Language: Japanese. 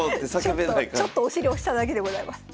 ちょっとお尻押しただけでございます。